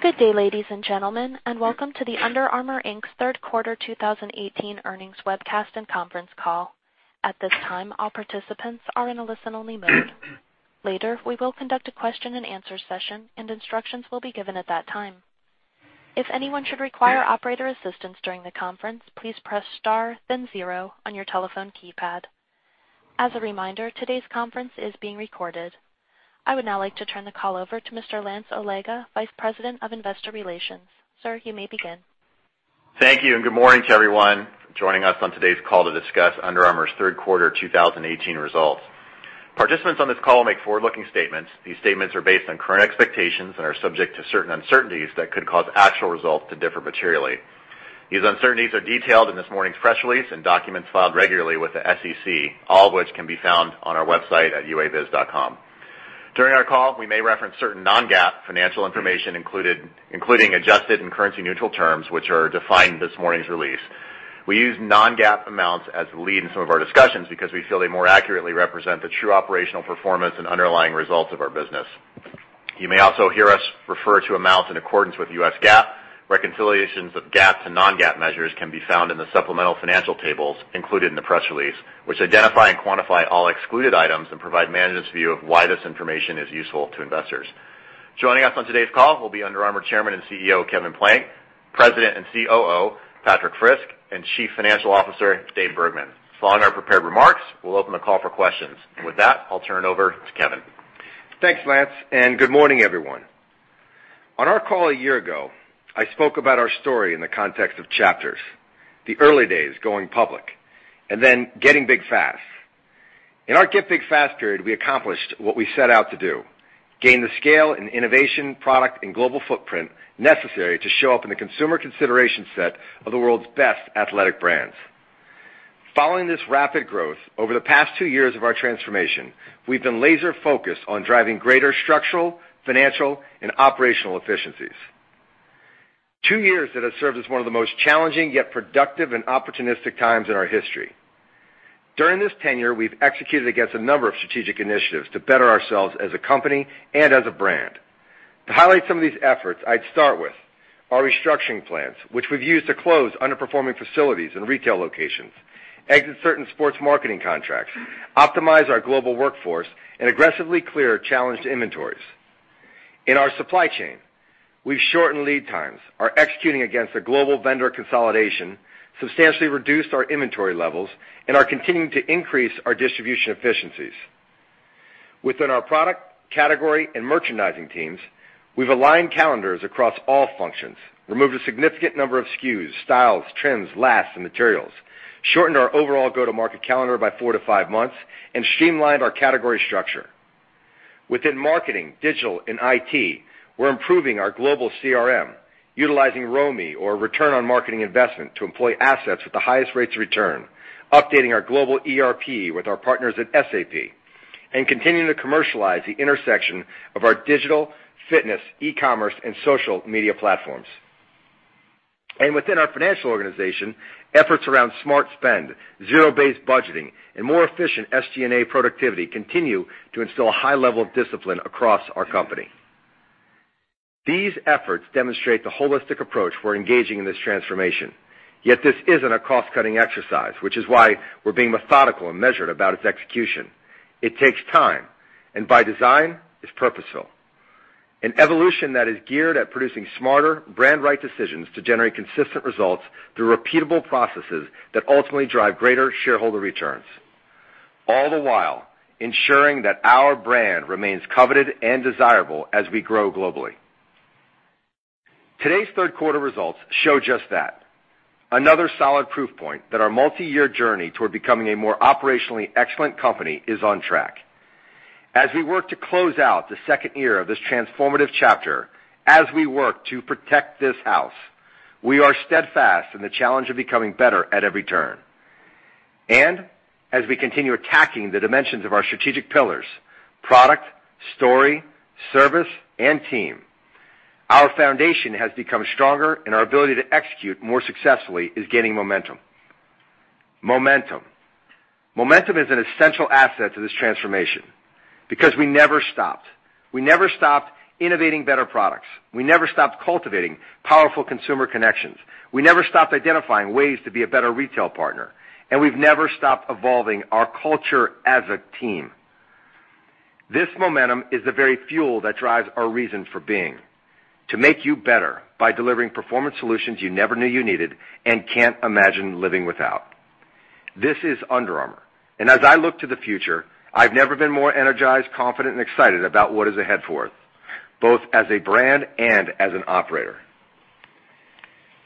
Good day, ladies and gentlemen, and welcome to the Under Armour, Inc.'s third quarter 2018 earnings webcast and conference call. At this time, all participants are in a listen-only mode. Later, we will conduct a question and answer session, and instructions will be given at that time. If anyone should require operator assistance during the conference, please press star then zero on your telephone keypad. As a reminder, today's conference is being recorded. I would now like to turn the call over to Mr. Lance Allega, Vice President of Investor Relations. Sir, you may begin. Thank you, and good morning to everyone joining us on today's call to discuss Under Armour's third quarter 2018 results. Participants on this call will make forward-looking statements. These statements are based on current expectations and are subject to certain uncertainties that could cause actual results to differ materially. These uncertainties are detailed in this morning's press release and documents filed regularly with the SEC, all of which can be found on our website at uabiz.com. During our call, we may reference certain non-GAAP financial information including adjusted and currency-neutral terms, which are defined in this morning's release. We use non-GAAP amounts as the lead in some of our discussions because we feel they more accurately represent the true operational performance and underlying results of our business. You may also hear us refer to amounts in accordance with US GAAP. Reconciliations of GAAP to non-GAAP measures can be found in the supplemental financial tables included in the press release, which identify and quantify all excluded items and provide management's view of why this information is useful to investors. Joining us on today's call will be Under Armour Chairman and CEO, Kevin Plank, President and COO, Patrik Frisk, and Chief Financial Officer, Dave Bergman. Following our prepared remarks, we'll open the call for questions. With that, I'll turn it over to Kevin. Thanks, Lance, and good morning, everyone. On our call a year ago, I spoke about our story in the context of chapters, the early days, going public, and then getting big fast. In our get big fast period, we accomplished what we set out to do, gain the scale and innovation, product, and global footprint necessary to show up in the consumer consideration set of the world's best athletic brands. Following this rapid growth, over the past two years of our transformation, we've been laser-focused on driving greater structural, financial, and operational efficiencies. Two years that have served as one of the most challenging yet productive and opportunistic times in our history. During this tenure, we've executed against a number of strategic initiatives to better ourselves as a company and as a brand. To highlight some of these efforts, I'd start with our restructuring plans, which we've used to close underperforming facilities and retail locations, exit certain sports marketing contracts, optimize our global workforce, and aggressively clear challenged inventories. In our supply chain, we've shortened lead times, are executing against a global vendor consolidation, substantially reduced our inventory levels, and are continuing to increase our distribution efficiencies. Within our product category and merchandising teams, we've aligned calendars across all functions, removed a significant number of SKUs, styles, trims, lasts, and materials, shortened our overall go-to-market calendar by 4-5 months, and streamlined our category structure. Within marketing, digital, and IT, we're improving our global CRM, utilizing ROMI or return on marketing investment to employ assets with the highest rates of return, updating our global ERP with our partners at SAP, and continuing to commercialize the intersection of our digital fitness, e-commerce, and social media platforms. Within our financial organization, efforts around smart spend, zero-based budgeting, and more efficient SG&A productivity continue to instill a high level of discipline across our company. These efforts demonstrate the holistic approach we're engaging in this transformation. Yet this isn't a cost-cutting exercise, which is why we're being methodical and measured about its execution. It takes time. By design, it's purposeful. An evolution that is geared at producing smarter brand right decisions to generate consistent results through repeatable processes that ultimately drive greater shareholder returns, all the while ensuring that our brand remains coveted and desirable as we grow globally. Today's third quarter results show just that. Another solid proof point that our multi-year journey toward becoming a more operationally excellent company is on track. As we work to close out the second year of this transformative chapter, as we work to protect this house, we are steadfast in the challenge of becoming better at every turn. As we continue attacking the dimensions of our strategic pillars, product, story, service, and team, our foundation has become stronger and our ability to execute more successfully is gaining momentum. Momentum is an essential asset to this transformation because we never stopped. We never stopped innovating better products. We never stopped cultivating powerful consumer connections. We never stopped identifying ways to be a better retail partner. We've never stopped evolving our culture as a team. This momentum is the very fuel that drives our reason for being, to make you better by delivering performance solutions you never knew you needed and can't imagine living without. This is Under Armour. As I look to the future, I've never been more energized, confident, and excited about what is ahead for us, both as a brand and as an operator.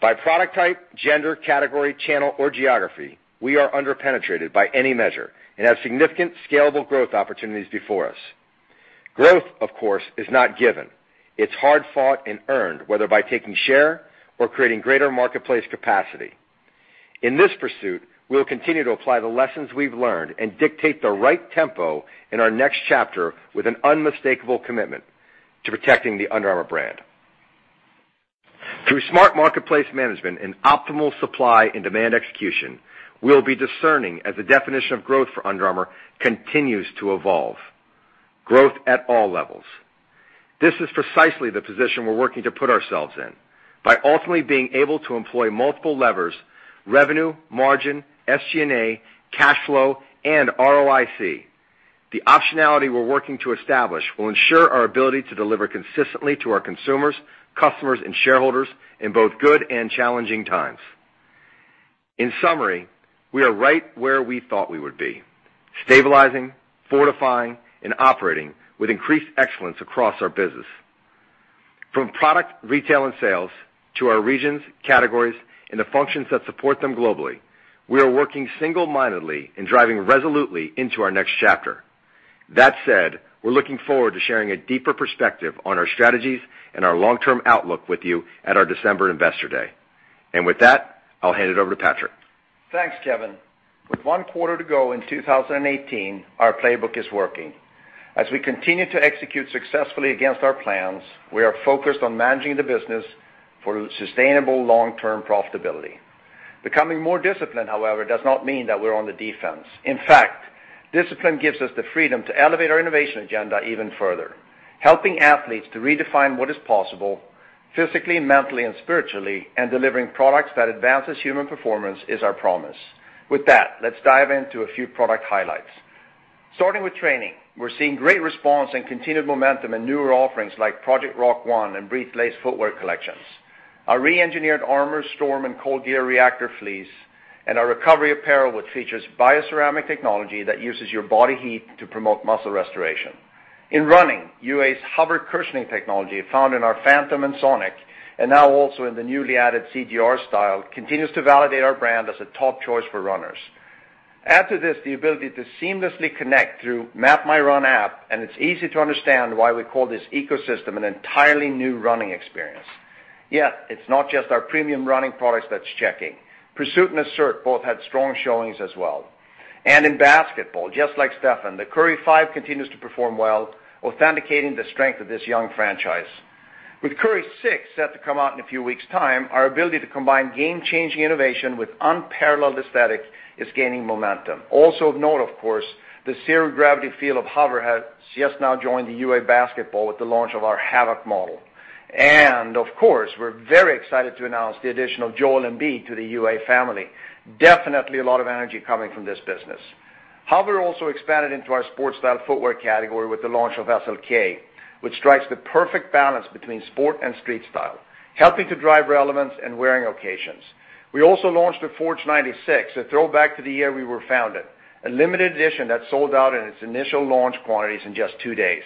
By product type, gender, category, channel, or geography, we are under-penetrated by any measure and have significant scalable growth opportunities before us. Growth, of course, is not given. It's hard-fought and earned, whether by taking share or creating greater marketplace capacity. In this pursuit, we'll continue to apply the lessons we've learned and dictate the right tempo in our next chapter with an unmistakable commitment to protecting the Under Armour brand. Through smart marketplace management and optimal supply and demand execution, we'll be discerning as the definition of growth for Under Armour continues to evolve. Growth at all levels. This is precisely the position we're working to put ourselves in by ultimately being able to employ multiple levers, revenue, margin, SG&A, cash flow, and ROIC. The optionality we're working to establish will ensure our ability to deliver consistently to our consumers, customers, and shareholders in both good and challenging times. In summary, we are right where we thought we would be: stabilizing, fortifying, and operating with increased excellence across our business. From product, retail, and sales to our regions, categories, and the functions that support them globally, we are working single-mindedly and driving resolutely into our next chapter. That said, we're looking forward to sharing a deeper perspective on our strategies and our long-term outlook with you at our December investor day. With that, I'll hand it over to Patrik. Thanks, Kevin. With one quarter to go in 2018, our playbook is working. As we continue to execute successfully against our plans, we are focused on managing the business for sustainable long-term profitability. Becoming more disciplined, however, does not mean that we're on the defense. In fact, discipline gives us the freedom to elevate our innovation agenda even further, helping athletes to redefine what is possible physically, mentally, and spiritually, and delivering products that advances human performance is our promise. With that, let's dive into a few product highlights. Starting with training, we're seeing great response and continued momentum in newer offerings like Project Rock 1 and Breathe Lace footwear collections. Our re-engineered Armour, Storm, and ColdGear Reactor Fleece, and our recovery apparel, which features bioceramic technology that uses your body heat to promote muscle restoration. In running, UA's HOVR cushioning technology, found in our Phantom and Sonic, and now also in the newly added CGR style, continues to validate our brand as a top choice for runners. Add to this the ability to seamlessly connect through MapMyRun app, and it's easy to understand why we call this ecosystem an entirely new running experience. Yet it's not just our premium running products that's checking. Pursuit and Assert both had strong showings as well. In basketball, just like Stephen, the Curry 5 continues to perform well, authenticating the strength of this young franchise. With Curry 6 set to come out in a few weeks' time, our ability to combine game-changing innovation with unparalleled aesthetic is gaining momentum. Also of note, of course, the zero gravity feel of HOVR has just now joined the UA basketball with the launch of our Havoc model. Of course, we're very excited to announce the addition of Joel Embiid to the UA family. Definitely a lot of energy coming from this business. HOVR also expanded into our sportstyle footwear category with the launch of SLK, which strikes the perfect balance between sport and street style, helping to drive relevance in wearing occasions. We also launched the Forge 96, a throwback to the year we were founded, a limited edition that sold out in its initial launch quantities in just two days.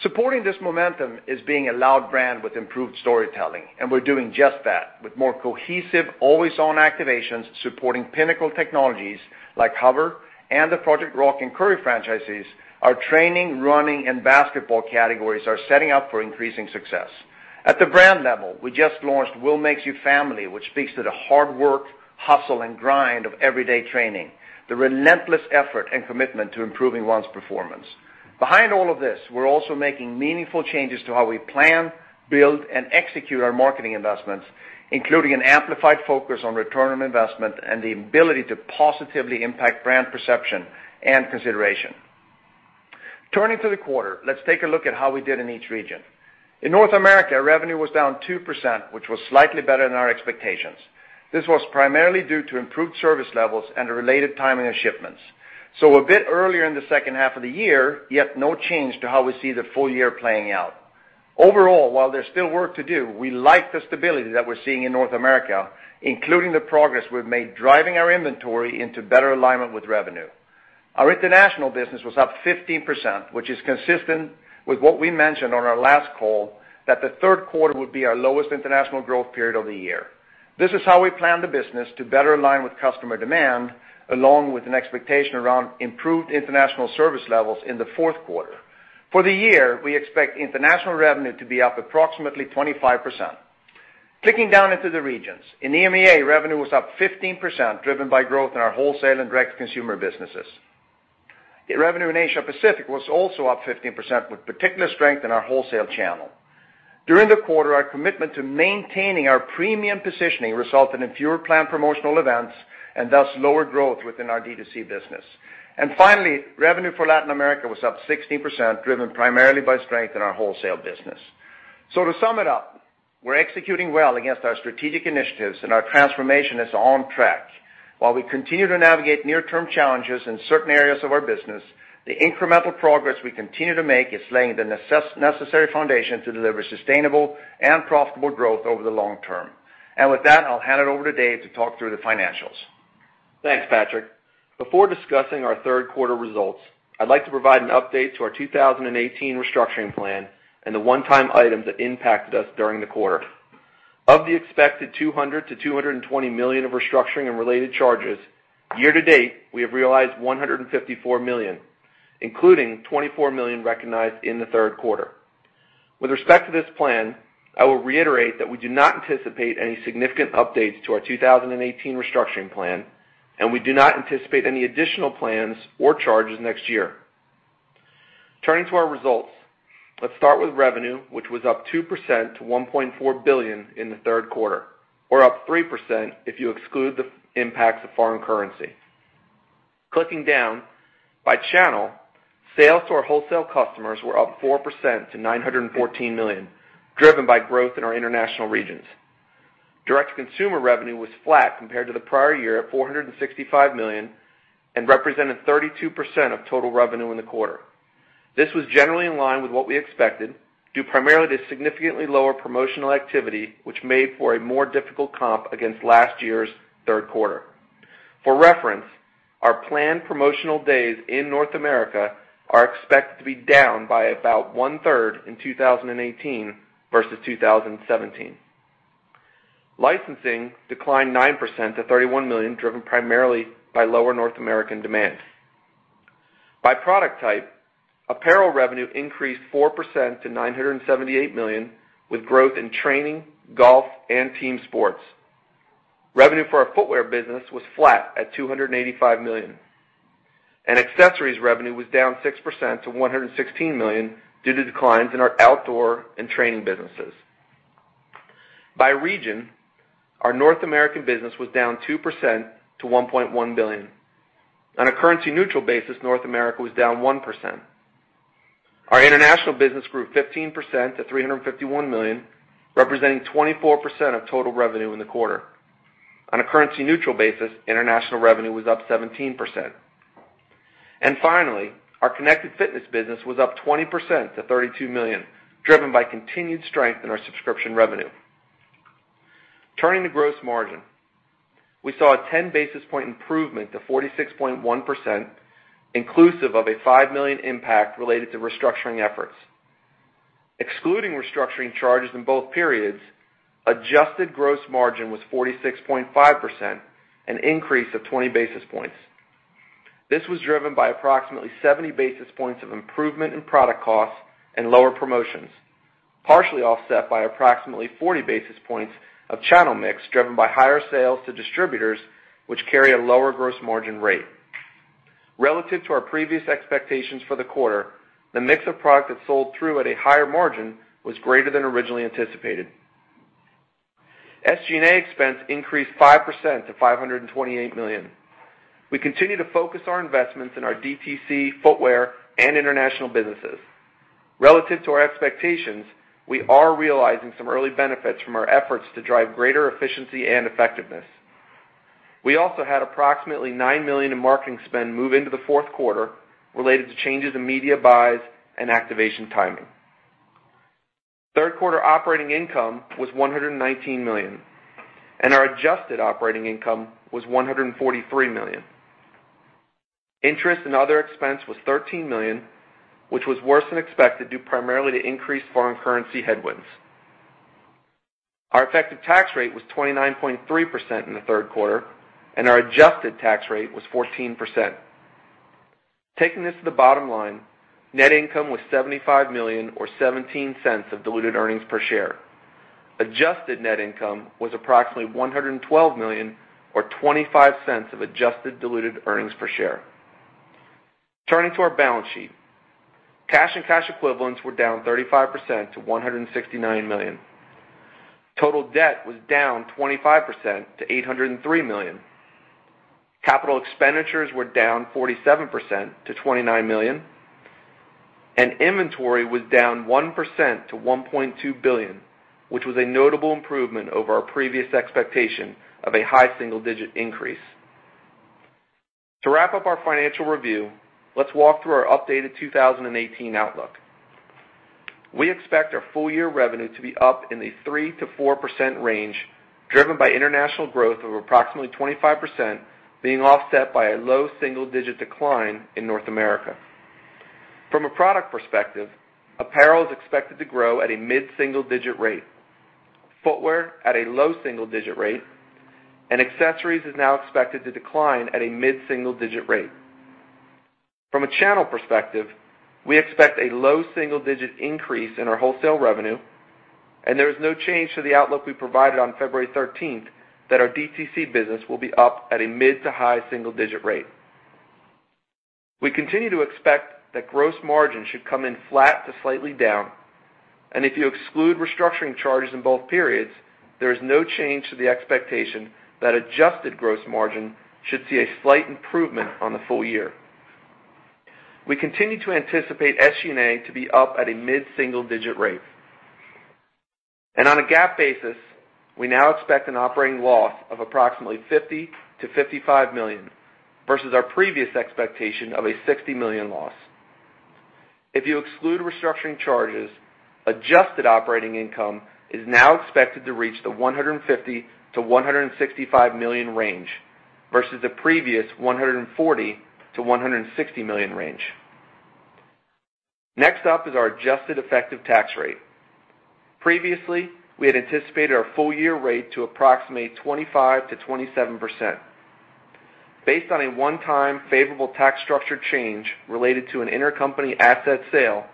Supporting this momentum is being a loud brand with improved storytelling, and we're doing just that. With more cohesive, always-on activations supporting pinnacle technologies like HOVR and the Project Rock and Curry franchises, our training, running, and basketball categories are setting up for increasing success. At the brand level, we just launched Will Makes You Family, which speaks to the hard work, hustle, and grind of everyday training, the relentless effort and commitment to improving one's performance. Behind all of this, we're also making meaningful changes to how we plan, build, and execute our marketing investments, including an amplified focus on return on investment and the ability to positively impact brand perception and consideration. Turning to the quarter, let's take a look at how we did in each region. In North America, revenue was down 2%, which was slightly better than our expectations. This was primarily due to improved service levels and the related timing of shipments. A bit earlier in the second half of the year, yet no change to how we see the full year playing out. While there's still work to do, we like the stability that we're seeing in North America, including the progress we've made driving our inventory into better alignment with revenue. Our international business was up 15%, which is consistent with what we mentioned on our last call that the third quarter would be our lowest international growth period of the year. This is how we plan the business to better align with customer demand, along with an expectation around improved international service levels in the fourth quarter. For the year, we expect international revenue to be up approximately 25%. Clicking down into the regions. In EMEA, revenue was up 15%, driven by growth in our wholesale and direct-to-consumer businesses. Revenue in Asia Pacific was also up 15%, with particular strength in our wholesale channel. During the quarter, our commitment to maintaining our premium positioning resulted in fewer planned promotional events and thus lower growth within our D2C business. Finally, revenue for Latin America was up 16%, driven primarily by strength in our wholesale business. To sum it up, we're executing well against our strategic initiatives, and our transformation is on track. While we continue to navigate near-term challenges in certain areas of our business, the incremental progress we continue to make is laying the necessary foundation to deliver sustainable and profitable growth over the long term. With that, I'll hand it over to Dave to talk through the financials. Thanks, Patrik. Before discussing our third quarter results, I'd like to provide an update to our 2018 restructuring plan and the one-time items that impacted us during the quarter. Of the expected $200 million-$220 million of restructuring and related charges, year-to-date, we have realized $154 million, including $24 million recognized in the third quarter. With respect to this plan, I will reiterate that we do not anticipate any significant updates to our 2018 restructuring plan, and we do not anticipate any additional plans or charges next year. Turning to our results, let's start with revenue, which was up 2% to $1.4 billion in the third quarter, or up 3% if you exclude the impacts of foreign currency. Clicking down by channel, sales to our wholesale customers were up 4% to $914 million, driven by growth in our international regions. Direct-to-Consumer revenue was flat compared to the prior year at $465 million and represented 32% of total revenue in the quarter. This was generally in line with what we expected, due primarily to significantly lower promotional activity, which made for a more difficult comp against last year's third quarter. For reference, our planned promotional days in North America are expected to be down by about one-third in 2018 versus 2017. Licensing declined 9% to $31 million, driven primarily by lower North American demand. By product type, apparel revenue increased 4% to $978 million, with growth in training, golf, and team sports. Revenue for our footwear business was flat at $285 million, and accessories revenue was down 6% to $116 million due to declines in our outdoor and training businesses. By region, our North American business was down 2% to $1.1 billion. On a currency-neutral basis, North America was down 1%. Our international business grew 15% to $351 million, representing 24% of total revenue in the quarter. Finally, our Connected Fitness business was up 20% to $32 million, driven by continued strength in our subscription revenue. Turning to gross margin. We saw a 10-basis-point improvement to 46.1%, inclusive of a $5 million impact related to restructuring efforts. Excluding restructuring charges in both periods, adjusted gross margin was 46.5%, an increase of 20 basis points. This was driven by approximately 70 basis points of improvement in product costs and lower promotions, partially offset by approximately 40 basis points of channel mix, driven by higher sales to distributors, which carry a lower gross margin rate. Relative to our previous expectations for the quarter, the mix of product that sold through at a higher margin was greater than originally anticipated. SG&A expense increased 5% to $528 million. We continue to focus our investments in our DTC footwear and international businesses. Relative to our expectations, we are realizing some early benefits from our efforts to drive greater efficiency and effectiveness. We also had approximately $9 million in marketing spend move into the fourth quarter related to changes in media buys and activation timing. Third-quarter operating income was $119 million, and our adjusted operating income was $143 million. Interest and other expense was $13 million, which was worse than expected, due primarily to increased foreign currency headwinds. Our effective tax rate was 29.3% in the third quarter, and our adjusted tax rate was 14%. Taking this to the bottom line, net income was $75 million or $0.17 of diluted earnings per share. Adjusted net income was approximately $112 million or $0.25 of adjusted diluted earnings per share. Turning to our balance sheet. Cash and cash equivalents were down 35% to $169 million. Total debt was down 25% to $803 million. Capital expenditures were down 47% to $29 million. Inventory was down 1% to $1.2 billion, which was a notable improvement over our previous expectation of a high single-digit increase. To wrap up our financial review, let's walk through our updated 2018 outlook. We expect our full-year revenue to be up in the 3%-4% range, driven by international growth of approximately 25%, being offset by a low single-digit decline in North America. From a product perspective, apparel is expected to grow at a mid-single-digit rate, footwear at a low single-digit rate. Accessories is now expected to decline at a mid-single-digit rate. From a channel perspective, we expect a low single-digit increase in our wholesale revenue. There is no change to the outlook we provided on February 13th that our DTC business will be up at a mid to high single-digit rate. We continue to expect that gross margin should come in flat to slightly down. If you exclude restructuring charges in both periods, there is no change to the expectation that adjusted gross margin should see a slight improvement on the full year. We continue to anticipate SG&A to be up at a mid-single-digit rate. On a GAAP basis, we now expect an operating loss of approximately $50 million-$55 million versus our previous expectation of a $60 million loss. If you exclude restructuring charges, adjusted operating income is now expected to reach the $150 million-$165 million range versus the previous $140 million-$160 million range. Next up is our adjusted effective tax rate. Previously, we had anticipated our full-year rate to approximate 25%-27%. Based on a one-time favorable tax structure change related to an intercompany asset sale,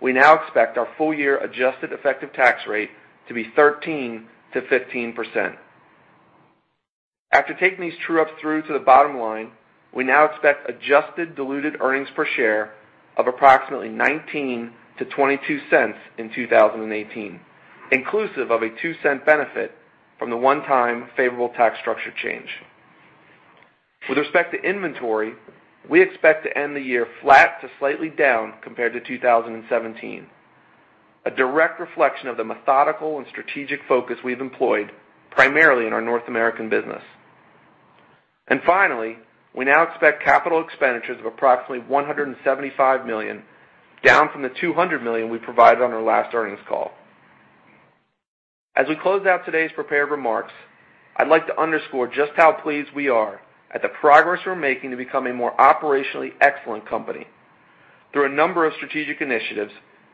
we now expect our full-year adjusted effective tax rate to be 13%-15%. After taking these true-ups through to the bottom line, we now expect adjusted diluted earnings per share of approximately $0.19-$0.22 in 2018, inclusive of a $0.02 benefit from the one-time favorable tax structure change. With respect to inventory, we expect to end the year flat to slightly down compared to 2017, a direct reflection of the methodical and strategic focus we've employed primarily in our North American business. Finally, we now expect capital expenditures of approximately $175 million, down from the $200 million we provided on our last earnings call. As we close out today's prepared remarks, I'd like to underscore just how pleased we are at the progress we're making to become a more operationally excellent company. Through a number of strategic initiatives,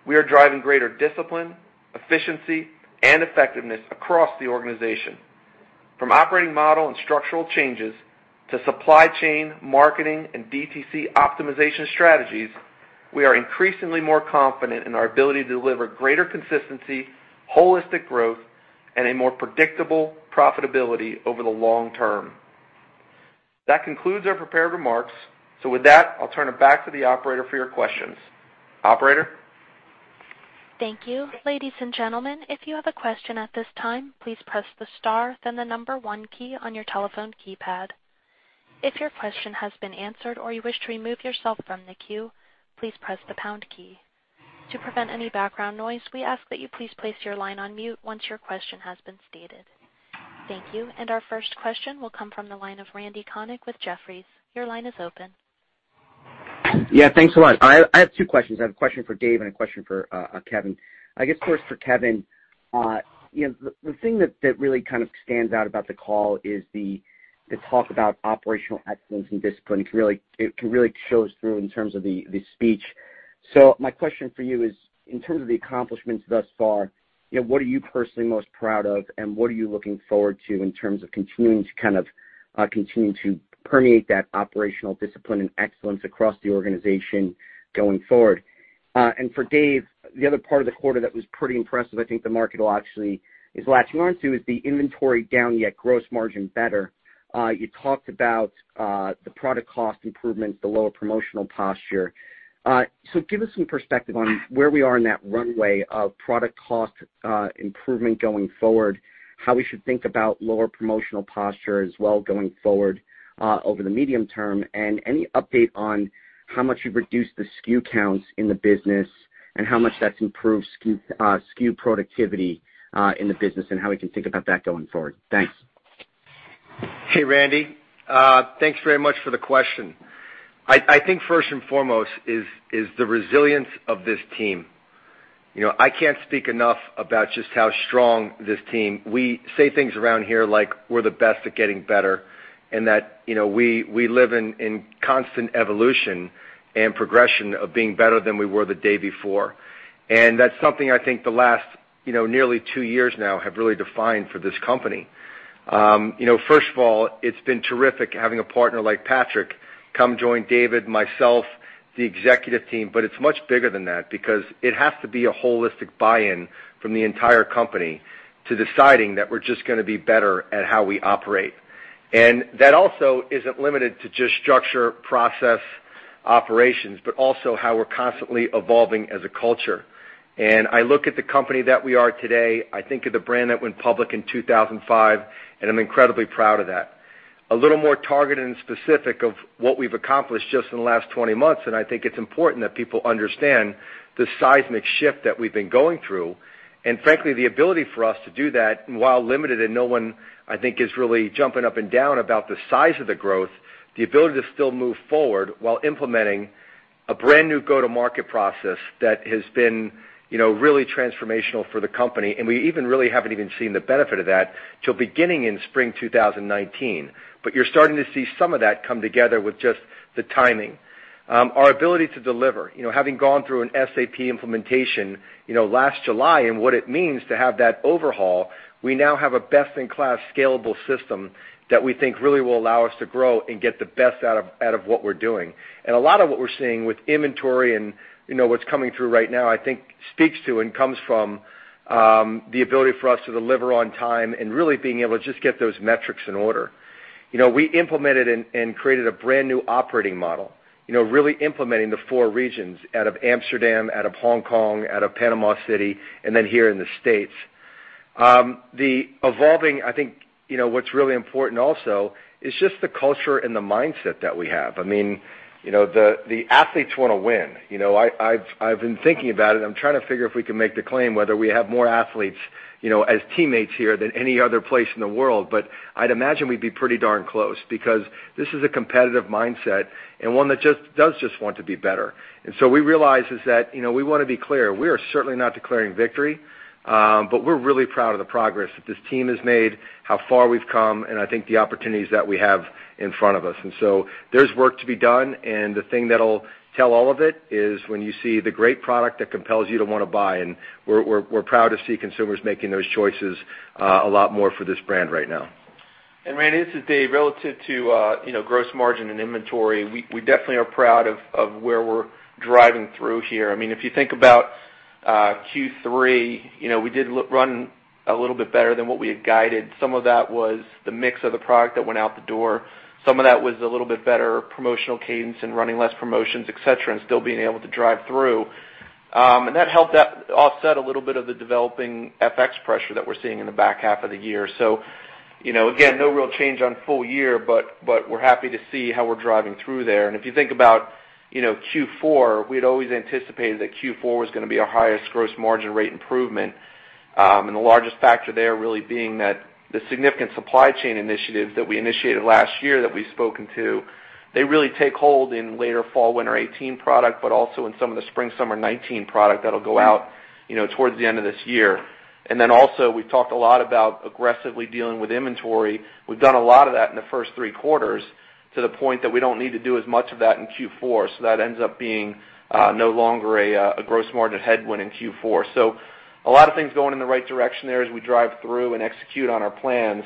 we are driving greater discipline, efficiency, and effectiveness across the organization. From operating model and structural changes to supply chain marketing and DTC optimization strategies, we are increasingly more confident in our ability to deliver greater consistency, holistic growth, and a more predictable profitability over the long term. That concludes our prepared remarks. With that, I'll turn it back to the operator for your questions. Operator? Thank you. Ladies and gentlemen, if you have a question at this time, please press the star then the 1 key on your telephone keypad. If your question has been answered or you wish to remove yourself from the queue, please press the pound key. To prevent any background noise, we ask that you please place your line on mute once your question has been stated. Thank you. Our first question will come from the line of Randal Konik with Jefferies. Your line is open. Thanks a lot. I have 2 questions. I have a question for Dave and a question for Kevin. First for Kevin. The thing that really kind of stands out about the call is the talk about operational excellence and discipline. It really shows through in terms of the speech. My question for you is, in terms of the accomplishments thus far, what are you personally most proud of, and what are you looking forward to in terms of continuing to permeate that operational discipline and excellence across the organization going forward? For Dave, the other part of the quarter that was pretty impressive, I think the market is latching on to, is the inventory down, yet gross margin better. You talked about the product cost improvements, the lower promotional posture. Give us some perspective on where we are in that runway of product cost improvement going forward, how we should think about lower promotional posture as well going forward over the medium term, and any update on how much you've reduced the SKU counts in the business and how much that's improved SKU productivity in the business, and how we can think about that going forward. Thanks. Hey, Randy. Thanks very much for the question. First and foremost is the resilience of this team. I can't speak enough about just how strong this team. We say things around here like we're the best at getting better, and that we live in constant evolution and progression of being better than we were the day before. That's something I think the last nearly 2 years now have really defined for this company. First of all, it's been terrific having a partner like Patrik come join David, myself, the executive team, but it's much bigger than that because it has to be a holistic buy-in from the entire company to deciding that we're just going to be better at how we operate. That also isn't limited to just structure, process, operations, but also how we're constantly evolving as a culture. I look at the company that we are today, I think of the brand that went public in 2005, and I'm incredibly proud of that. A little more targeted and specific of what we've accomplished just in the last 20 months, I think it's important that people understand the seismic shift that we've been going through. Frankly, the ability for us to do that while limited and no one, I think, is really jumping up and down about the size of the growth, the ability to still move forward while implementing a brand new go-to-market process that has been really transformational for the company. We even really haven't even seen the benefit of that till beginning in spring 2019. You're starting to see some of that come together with just the timing. Our ability to deliver, having gone through an SAP implementation last July and what it means to have that overhaul, we now have a best-in-class scalable system that we think really will allow us to grow and get the best out of what we're doing. A lot of what we're seeing with inventory and what's coming through right now, I think speaks to and comes from the ability for us to deliver on time and really being able to just get those metrics in order. We implemented and created a brand new operating model. Really implementing the four regions out of Amsterdam, out of Hong Kong, out of Panama City, and then here in the U.S. The evolving, I think what's really important also is just the culture and the mindset that we have. The athletes want to win. I've been thinking about it. I'm trying to figure if we can make the claim whether we have more athletes as teammates here than any other place in the world. I'd imagine we'd be pretty darn close because this is a competitive mindset and one that does just want to be better. What we realized is that we want to be clear. We are certainly not declaring victory, but we're really proud of the progress that this team has made, how far we've come, and I think the opportunities that we have in front of us. There's work to be done, and the thing that'll tell all of it is when you see the great product that compels you to want to buy, and we're proud to see consumers making those choices a lot more for this brand right now. Randy, this is Dave. Relative to gross margin and inventory, we definitely are proud of where we're driving through here. If you think about Q3, we did run a little bit better than what we had guided. Some of that was the mix of the product that went out the door. Some of that was a little bit better promotional cadence and running less promotions, et cetera, and still being able to drive through. That helped that offset a little bit of the developing FX pressure that we're seeing in the back half of the year. Again, no real change on full year, but we're happy to see how we're driving through there. If you think about Q4, we'd always anticipated that Q4 was going to be our highest gross margin rate improvement. The largest factor there really being that the significant supply chain initiatives that we initiated last year that we've spoken to, they really take hold in later fall/winter 2018 product, but also in some of the spring/summer 2019 product that'll go out towards the end of this year. We've talked a lot about aggressively dealing with inventory. We've done a lot of that in the first three quarters, to the point that we don't need to do as much of that in Q4. That ends up being no longer a gross margin headwind in Q4. A lot of things going in the right direction there as we drive through and execute on our plans.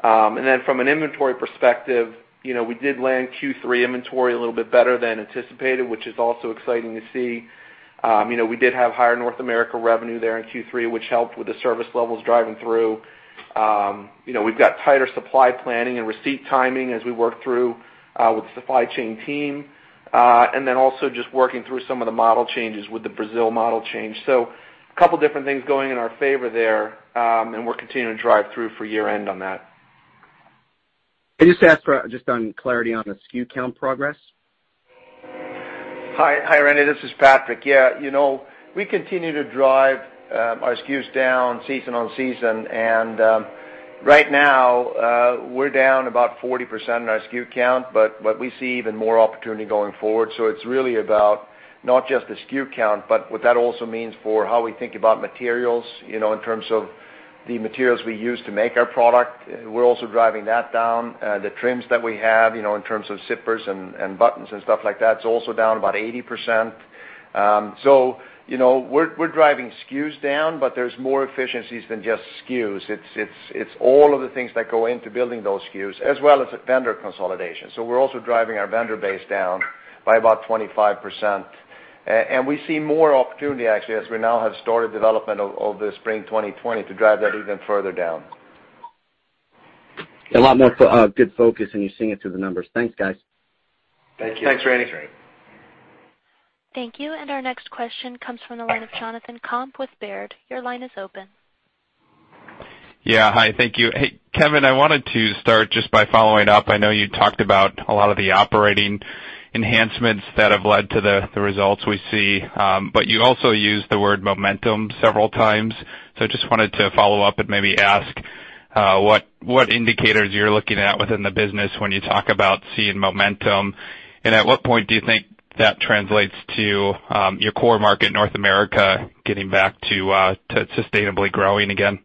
From an inventory perspective, we did land Q3 inventory a little bit better than anticipated, which is also exciting to see. We did have higher North America revenue there in Q3, which helped with the service levels driving through. We've got tighter supply planning and receipt timing as we work through with the supply chain team. Just working through some of the model changes with the Brazil model change. A couple different things going in our favor there, and we're continuing to drive through for year-end on that. Can I just ask for just on clarity on the SKU count progress? Hi, Randy, this is Patrik. We continue to drive our SKUs down season on season. Right now, we're down about 40% on our SKU count, but we see even more opportunity going forward. It's really about not just the SKU count, but what that also means for how we think about materials, in terms of the materials we use to make our product. We're also driving that down. The trims that we have, in terms of zippers and buttons and stuff like that, it's also down about 80%. We're driving SKUs down, but there's more efficiencies than just SKUs. It's all of the things that go into building those SKUs, as well as vendor consolidation. We're also driving our vendor base down by about 25%. We see more opportunity, actually, as we now have started development of the spring 2020 to drive that even further down. A lot more good focus, and you're seeing it through the numbers. Thanks, guys. Thank you. Thanks, Randy. Thank you. Our next question comes from the line of Jonathan Komp with Baird. Your line is open. Yeah. Hi, thank you. Hey, Kevin, I wanted to start just by following up. I know you talked about a lot of the operating enhancements that have led to the results we see. You also used the word momentum several times. I just wanted to follow up and maybe ask what indicators you're looking at within the business when you talk about seeing momentum, and at what point do you think that translates to your core market, North America, getting back to sustainably growing again?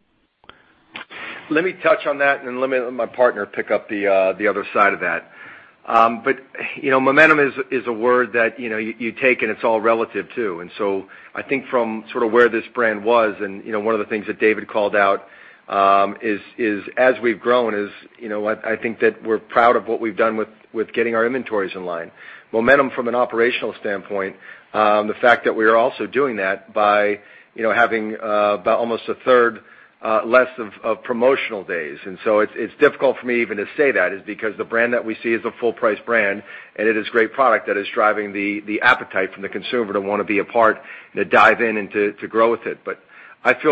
Let me touch on that, and let me let my partner pick up the other side of that. Momentum is a word that you take, and it's all relative, too. I think from sort of where this brand was, and one of the things that David called out, is as we've grown, I think that we're proud of what we've done with getting our inventories in line. Momentum from an operational standpoint, the fact that we are also doing that by having about almost a third less of promotional days. It's difficult for me even to say that is because the brand that we see is a full-price brand, and it is great product that is driving the appetite from the consumer to want to be a part and to dive in and to grow with it. Let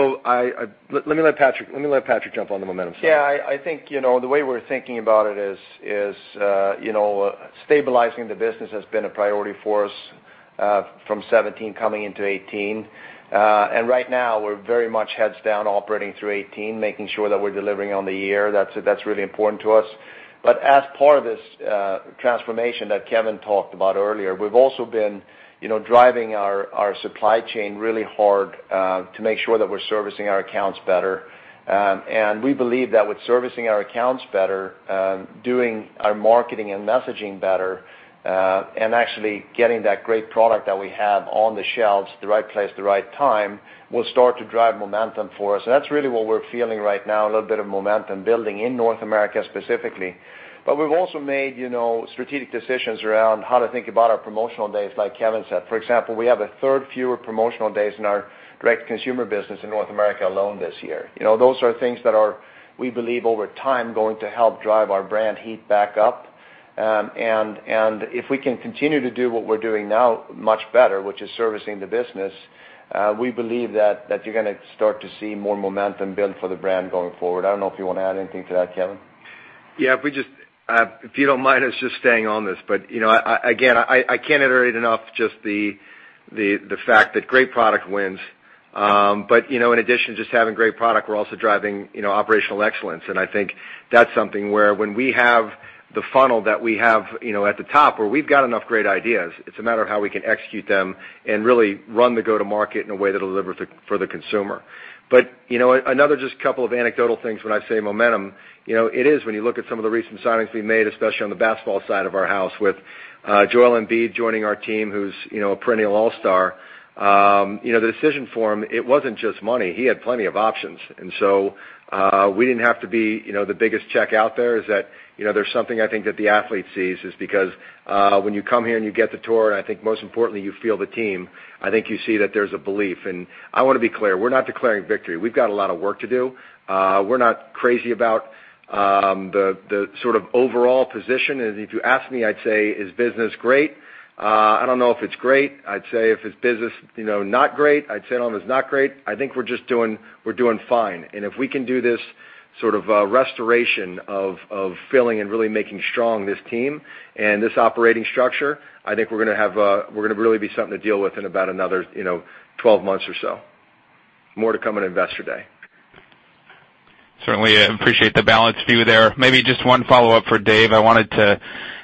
me let Patrik jump on the momentum side. I think the way we're thinking about it is stabilizing the business has been a priority for us from 2017 coming into 2018. Right now, we're very much heads down operating through 2018, making sure that we're delivering on the year. That's really important to us. As part of this transformation that Kevin talked about earlier, we've also been driving our supply chain really hard to make sure that we're servicing our accounts better. We believe that with servicing our accounts better, doing our marketing and messaging better, and actually getting that great product that we have on the shelves, the right place, the right time, will start to drive momentum for us. That's really what we're feeling right now, a little bit of momentum building in North America specifically. We've also made strategic decisions around how to think about our promotional days, like Kevin said. For example, we have a third fewer promotional days in our direct-to-consumer business in North America alone this year. Those are things that are, we believe over time, going to help drive our brand heat back up. If we can continue to do what we're doing now much better, which is servicing the business, we believe that you're going to start to see more momentum build for the brand going forward. I don't know if you want to add anything to that, Kevin. If you don't mind us just staying on this. Again, I can't iterate enough just the fact that great product wins. In addition to just having great product, we're also driving operational excellence. I think that's something where when we have the funnel that we have at the top where we've got enough great ideas, it's a matter of how we can execute them and really run the go-to-market in a way that'll deliver for the consumer. Another just couple of anecdotal things when I say momentum. It is, when you look at some of the recent signings we made, especially on the basketball side of our house with Joel Embiid joining our team, who's a perennial all-star. The decision for him, it wasn't just money. He had plenty of options. So, we didn't have to be the biggest check out there. There's something I think that the athlete sees is because when you come here, and you get the tour, and I think most importantly, you feel the team, I think you see that there's a belief. I want to be clear, we're not declaring victory. We've got a lot of work to do. We're not crazy about the sort of overall position. If you ask me, I'd say, is business great? I don't know if it's great. I'd say if it's business not great, I'd say it all is not great. I think we're doing fine. If we can do this sort of restoration of filling and really making strong this team and this operating structure, I think we're going to really be something to deal with in about another 12 months or so. More to come in Investor Day. Certainly appreciate the balanced view there. Maybe just one follow-up for Dave. I wanted to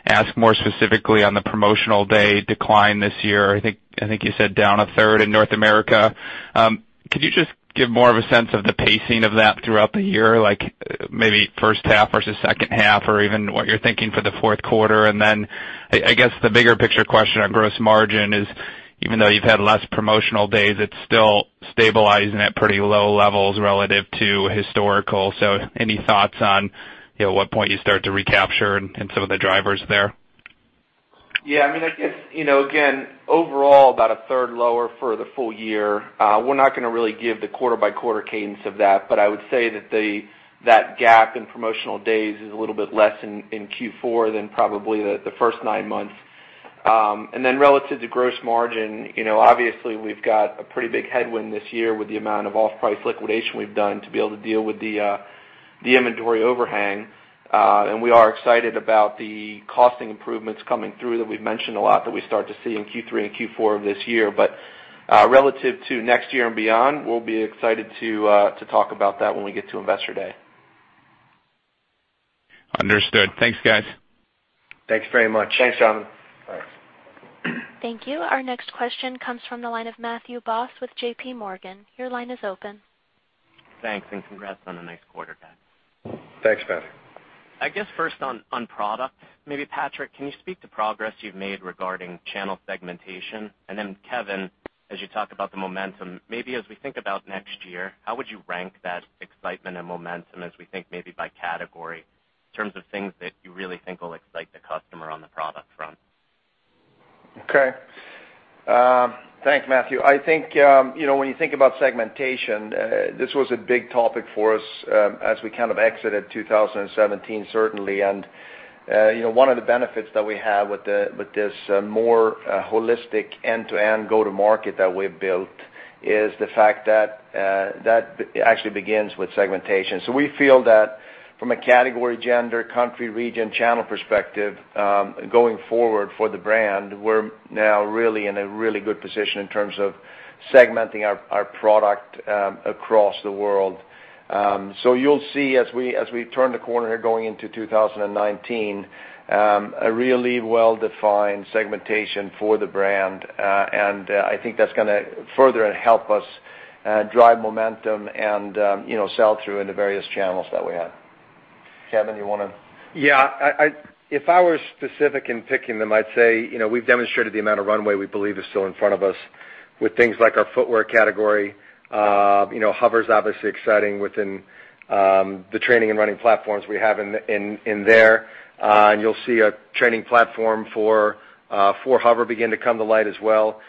ask more specifically on the promotional day decline this year. I think you said down a third in North America. Could you just give more of a sense of the pacing of that throughout the year, like maybe first half versus second half, or even what you're thinking for the fourth quarter? I guess the bigger picture question on gross margin is, even though you've had less promotional days, it's still stabilizing at pretty low levels relative to historical. Any thoughts on at what point you start to recapture and some of the drivers there? Yeah. I guess, again, overall about a third lower for the full year. We're not going to really give the quarter-by-quarter cadence of that, but I would say that gap in promotional days is a little bit less in Q4 than probably the first nine months. Relative to gross margin, obviously we've got a pretty big headwind this year with the amount of off-price liquidation we've done to be able to deal with the inventory overhang. We are excited about the costing improvements coming through that we've mentioned a lot that we start to see in Q3 and Q4 of this year. Relative to next year and beyond, we'll be excited to talk about that when we get to Investor Day. Understood. Thanks, guys. Thanks very much. Thanks, Jonathan. Thanks. Thank you. Our next question comes from the line of Matthew Boss with JPMorgan. Your line is open. Thanks, and congrats on a nice quarter, guys. Thanks, Matthew. First on product, maybe Patrik, can you speak to progress you've made regarding channel segmentation? Kevin, as you talk about the momentum, maybe as we think about next year, how would you rank that excitement and momentum as we think maybe by category in terms of things that you really think will excite the customer on the product front? Okay. Thanks, Matthew. I think when you think about segmentation, this was a big topic for us as we kind of exited 2017, certainly. One of the benefits that we have with this more holistic end-to-end go-to-market that we've built is the fact that that actually begins with segmentation. We feel that from a category, gender, country, region, channel perspective, going forward for the brand, we're now really in a really good position in terms of segmenting our product across the world. You'll see as we turn the corner here going into 2019, a really well-defined segmentation for the brand. I think that's going to further help us drive momentum and sell through in the various channels that we have. Kevin, you want to Yeah. If I were specific in picking them, I'd say we've demonstrated the amount of runway we believe is still in front of us with things like our footwear category. HOVR's obviously exciting within the training and running platforms we have in there. You'll see a training platform for HOVR begin to come to light as well.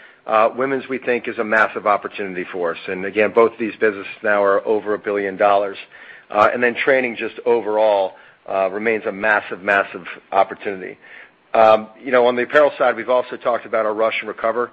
Women's, we think, is a massive opportunity for us. Again, both these businesses now are over $1 billion. Training just overall remains a massive opportunity. On the apparel side, we've also talked about our Rush and Recover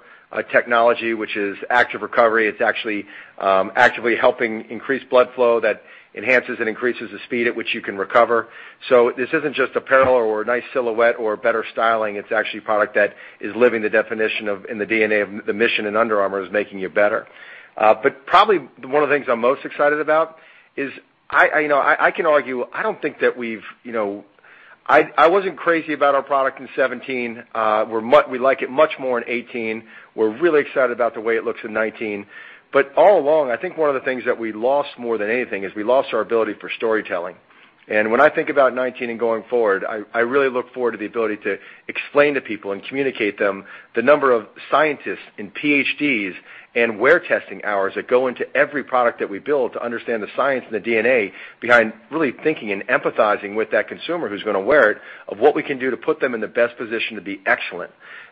technology, which is active recovery. It's actually actively helping increase blood flow that enhances and increases the speed at which you can recover. This isn't just apparel or a nice silhouette or better styling. It's actually a product that is living the definition of, and the DNA of the mission in Under Armour is making you better. Probably one of the things I'm most excited about is I can argue, I don't think that I wasn't crazy about our product in 2017. We like it much more in 2018. We're really excited about the way it looks in 2019. All along, I think one of the things that we lost more than anything is we lost our ability for storytelling. When I think about 2019 and going forward, I really look forward to the ability to explain to people and communicate them the number of scientists and PhDs and wear testing hours that go into every product that we build to understand the science and the DNA behind really thinking and empathizing with that consumer who's going to wear it, of what we can do to put them in the best position to be excellent.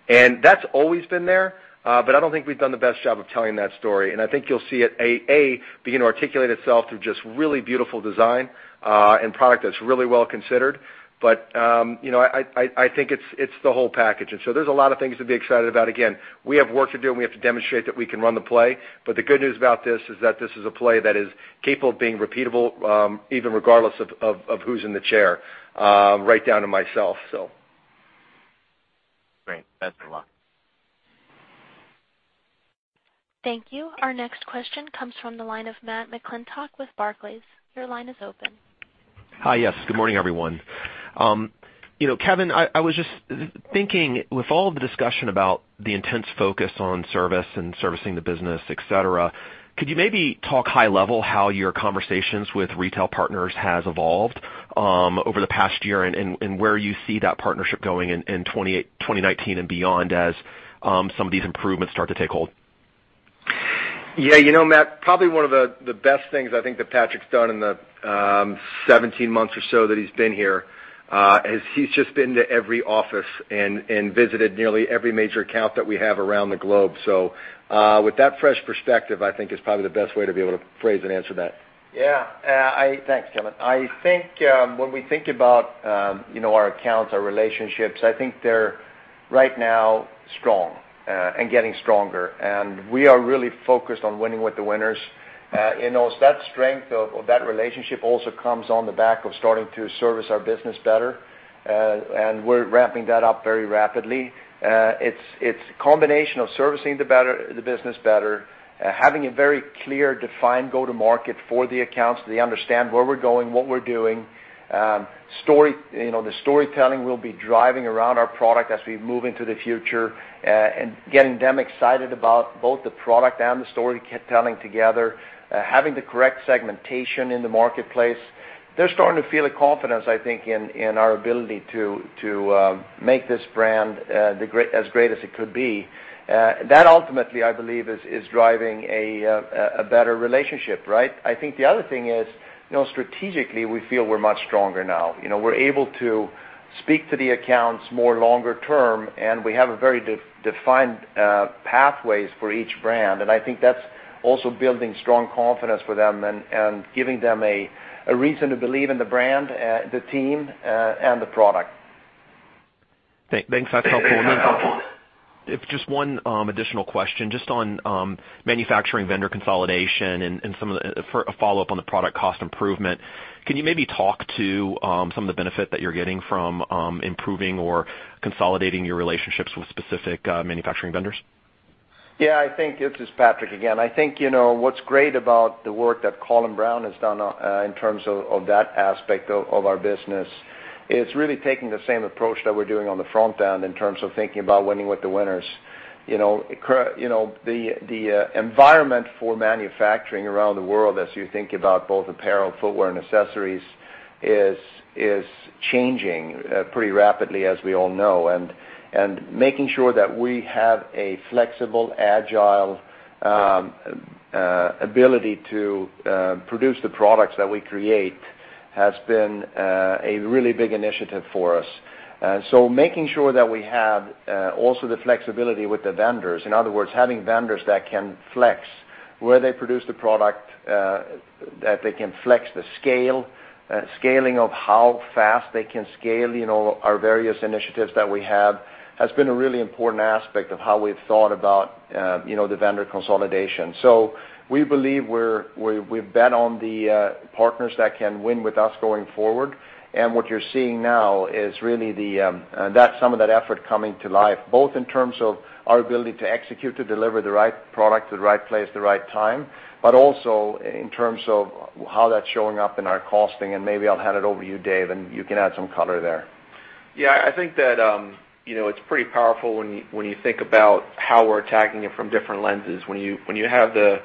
That's always been there, but I don't think we've done the best job of telling that story, and I think you'll see it, A, begin to articulate itself through just really beautiful design and product that's really well considered. I think it's the whole package. There's a lot of things to be excited about. Again, we have work to do, and we have to demonstrate that we can run the play. The good news about this is that this is a play that is capable of being repeatable even regardless of who's in the chair, right down to myself, so. Great. Thanks a lot. Thank you. Our next question comes from the line of Matt McClintock with Barclays. Your line is open. Hi, yes. Good morning, everyone. Kevin, I was just thinking, with all of the discussion about the intense focus on service and servicing the business, et cetera, could you maybe talk high level how your conversations with retail partners has evolved over the past year and where you see that partnership going in 2019 and beyond as some of these improvements start to take hold? Yeah, Matt, probably one of the best things I think that Patrik's done in the 17 months or so that he's been here is he's just been to every office and visited nearly every major account that we have around the globe. With that fresh perspective, I think, is probably the best way to be able to phrase and answer that. Yeah. Thanks, Kevin. I think when we think about our accounts, our relationships, I think they're Right now, strong and getting stronger. We are really focused on winning with the winners. That strength of that relationship also comes on the back of starting to service our business better. We're ramping that up very rapidly. It's a combination of servicing the business better, having a very clear, defined go-to-market for the accounts. They understand where we're going, what we're doing. The storytelling will be driving around our product as we move into the future, and getting them excited about both the product and the storytelling together, having the correct segmentation in the marketplace. They're starting to feel the confidence, I think, in our ability to make this brand as great as it could be. That ultimately, I believe, is driving a better relationship, right? I think the other thing is, strategically, we feel we're much stronger now. We're able to speak to the accounts more longer term, and we have a very defined pathways for each brand. I think that's also building strong confidence for them and giving them a reason to believe in the brand, the team, and the product. Thanks. That's helpful. Just one additional question. Just on manufacturing vendor consolidation and a follow-up on the product cost improvement. Can you maybe talk to some of the benefit that you're getting from improving or consolidating your relationships with specific manufacturing vendors? Yeah. This is Patrik again. I think what's great about the work that Colin Browne has done in terms of that aspect of our business, is really taking the same approach that we're doing on the front end in terms of thinking about winning with the winners. The environment for manufacturing around the world, as you think about both apparel, footwear, and accessories, is changing pretty rapidly, as we all know. Making sure that we have a flexible, agile ability to produce the products that we create has been a really big initiative for us. Making sure that we have also the flexibility with the vendors. In other words, having vendors that can flex where they produce the product, that they can flex the scale, scaling of how fast they can scale our various initiatives that we have, has been a really important aspect of how we've thought about the vendor consolidation. We believe we've bet on the partners that can win with us going forward. What you're seeing now is really some of that effort coming to life, both in terms of our ability to execute, to deliver the right product to the right place at the right time, but also in terms of how that's showing up in our costing. Maybe I'll hand it over to you, Dave, and you can add some color there. Yeah. I think that it's pretty powerful when you think about how we're attacking it from different lenses. When you have the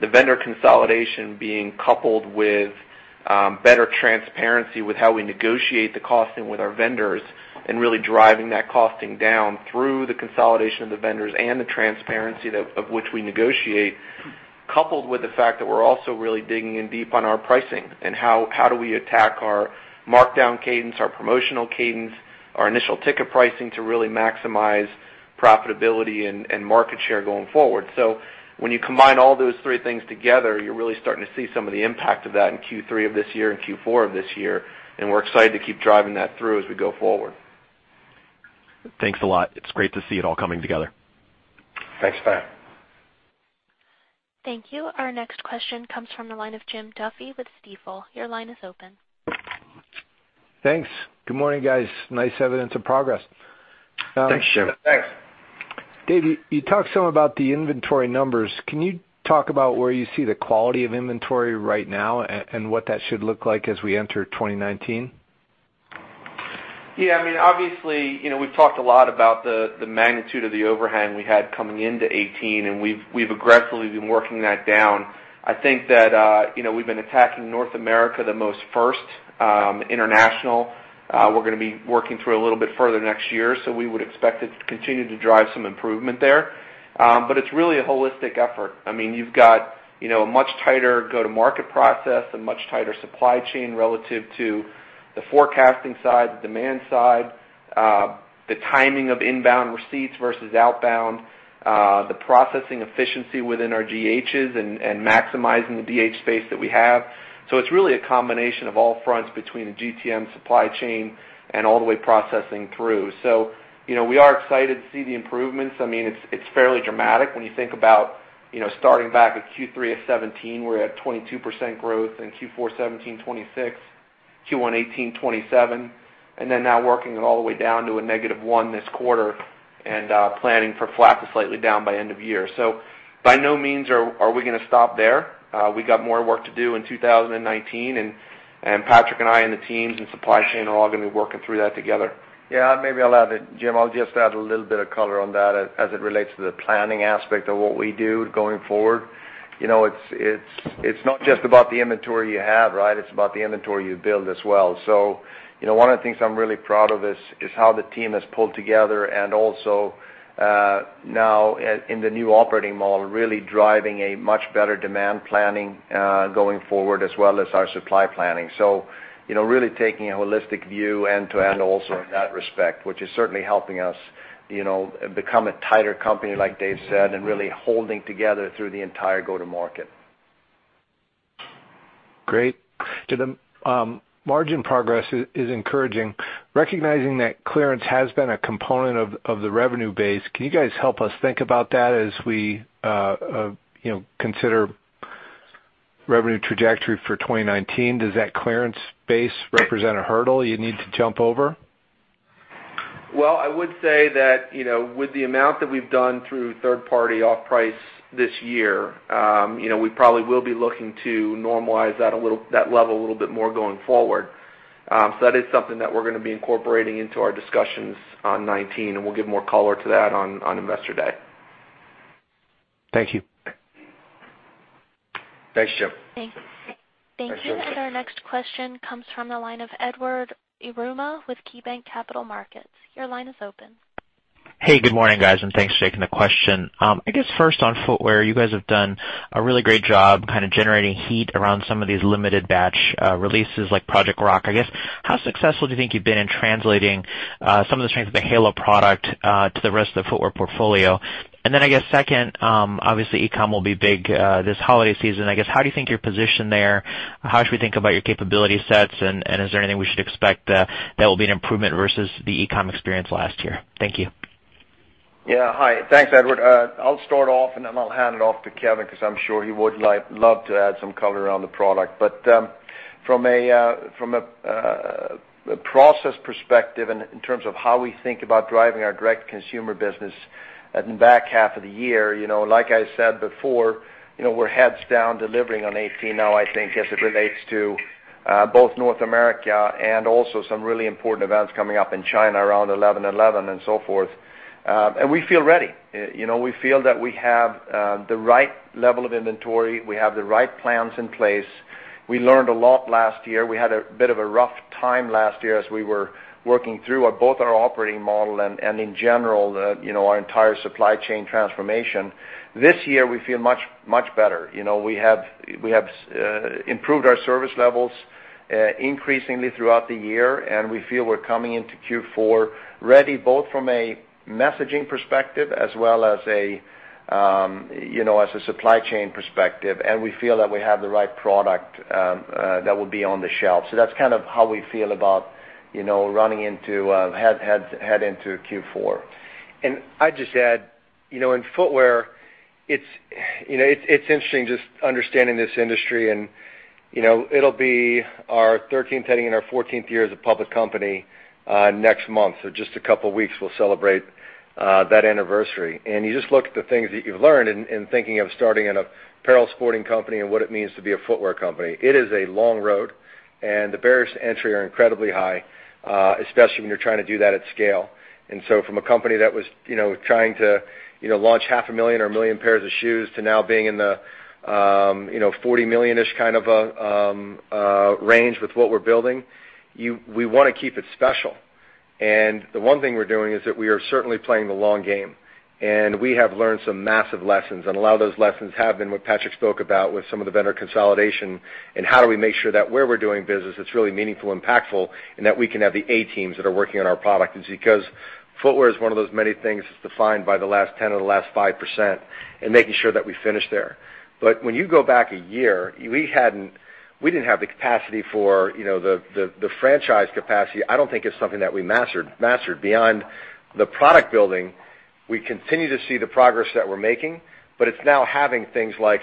vendor consolidation being coupled with better transparency with how we negotiate the costing with our vendors and really driving that costing down through the consolidation of the vendors and the transparency of which we negotiate, coupled with the fact that we're also really digging in deep on our pricing. How do we attack our markdown cadence, our promotional cadence, our initial ticket pricing to really maximize profitability and market share going forward. When you combine all those three things together, you're really starting to see some of the impact of that in Q3 of this year and Q4 of this year, and we're excited to keep driving that through as we go forward. Thanks a lot. It's great to see it all coming together. Thanks, Matt. Thank you. Our next question comes from the line of Jim Duffy with Stifel. Your line is open. Thanks. Good morning, guys. Nice evidence of progress. Thanks, Jim. Thanks. Dave, you talked some about the inventory numbers. Can you talk about where you see the quality of inventory right now and what that should look like as we enter 2019? Obviously, we've talked a lot about the magnitude of the overhang we had coming into 2018, and we've aggressively been working that down. I think that we've been attacking North America the most first. International, we're going to be working through a little bit further next year. We would expect it to continue to drive some improvement there. It's really a holistic effort. You've got a much tighter go-to-market process, a much tighter supply chain relative to the forecasting side, the demand side, the timing of inbound receipts versus outbound, the processing efficiency within our DHs and maximizing the DH space that we have. It's really a combination of all fronts between the GTM supply chain and all the way processing through. We are excited to see the improvements. It's fairly dramatic when you think about starting back at Q3 of 2017. We're at 22% growth in Q4 2017, 26%. Q1 2018, 27%. Now working it all the way down to a negative 1% this quarter and planning for flat to slightly down by end of year. By no means are we going to stop there. We got more work to do in 2019, and Patrik and I and the teams and supply chain are all going to be working through that together. Maybe I'll add it, Jim. I'll just add a little bit of color on that as it relates to the planning aspect of what we do going forward. It's not just about the inventory you have, right? It's about the inventory you build as well. One of the things I'm really proud of is how the team has pulled together and also now in the new operating model, really driving a much better demand planning going forward, as well as our supply planning. Really taking a holistic view end to end also in that respect, which is certainly helping us become a tighter company, like Dave said, and really holding together through the entire go-to-market. Great. Kevin, margin progress is encouraging. Recognizing that clearance has been a component of the revenue base, can you guys help us think about that as we consider revenue trajectory for 2019? Does that clearance base represent a hurdle you need to jump over? Well, I would say that, with the amount that we've done through third party off-price this year, we probably will be looking to normalize that level a little bit more going forward. That is something that we're going to be incorporating into our discussions on 2019, and we'll give more color to that on Investor Day. Thank you. Thanks, Jim. Thank you. Our next question comes from the line of Edward Yruma with KeyBanc Capital Markets. Your line is open. Good morning, guys, and thanks for taking the question. First on footwear, you guys have done a really great job kind of generating heat around some of these limited batch releases like Project Rock. How successful do you think you've been in translating some of the strengths of the Halo product to the rest of the footwear portfolio? Second, obviously, e-com will be big this holiday season. How do you think you're positioned there? How should we think about your capability sets, and is there anything we should expect that will be an improvement versus the e-com experience last year? Thank you. Hi. Thanks, Edward. I'll start off, then I'll hand it off to Kevin because I'm sure he would love to add some color on the product. From a process perspective and in terms of how we think about driving our direct consumer business in the back half of the year, like I said before, we're heads down delivering on 2018 now, I think, as it relates to both North America and also some really important events coming up in China around 11/11 and so forth. We feel ready. We feel that we have the right level of inventory. We have the right plans in place. We learned a lot last year. We had a bit of a rough time last year as we were working through both our operating model and in general, our entire supply chain transformation. This year, we feel much, much better. We have improved our service levels increasingly throughout the year, and we feel we're coming into Q4 ready both from a messaging perspective as well as a supply chain perspective, and we feel that we have the right product that will be on the shelf. That's kind of how we feel about heading into Q4. I'd just add, in footwear, it's interesting just understanding this industry and it'll be our 13th heading into our 14th year as a public company next month. Just a couple of weeks, we'll celebrate that anniversary. You just look at the things that you've learned in thinking of starting an apparel sporting company and what it means to be a footwear company. It is a long road, and the barriers to entry are incredibly high, especially when you're trying to do that at scale. From a company that was trying to launch half a million or 1 million pairs of shoes to now being in the 40 million-ish kind of a range with what we're building, we want to keep it special. The one thing we're doing is that we are certainly playing the long game, and we have learned some massive lessons, and a lot of those lessons have been what Patrik spoke about with some of the vendor consolidation and how do we make sure that where we're doing business, it's really meaningful, impactful, and that we can have the A teams that are working on our product. Because footwear is one of those many things that's defined by the last 10 or the last 5% in making sure that we finish there. When you go back a year, we didn't have the capacity for the franchise capacity. I don't think it's something that we mastered beyond the product building. We continue to see the progress that we're making, but it's now having things like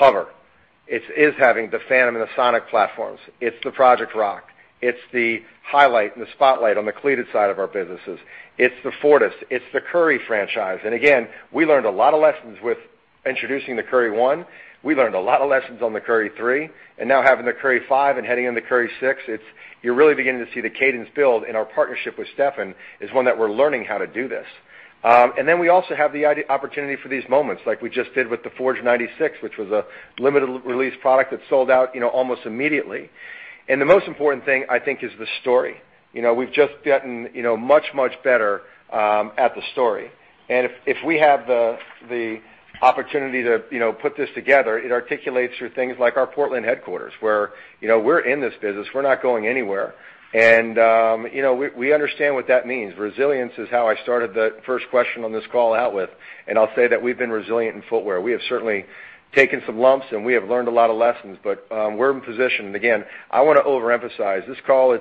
HOVR. It is having the Phantom and the Sonic platforms. It's the Project Rock. It's the Highlight and the Spotlight on the cleated side of our businesses. It's the Fortis. It's the Curry franchise. Again, we learned a lot of lessons with introducing the Curry 1. We learned a lot of lessons on the Curry 3, and now having the Curry 5 and heading into Curry 6, you're really beginning to see the cadence build in our partnership with Stephen is one that we're learning how to do this. Then we also have the opportunity for these moments like we just did with the Forge 96, which was a limited release product that sold out almost immediately. The most important thing, I think, is the story. We've just gotten much, much better at the story. If we have the opportunity to put this together, it articulates through things like our Portland headquarters, where we're in this business. We're not going anywhere. We understand what that means. Resilience is how I started the first question on this call out with, and I'll say that we've been resilient in footwear. We have certainly taken some lumps, and we have learned a lot of lessons, but we're in position. Again, I want to overemphasize. This call,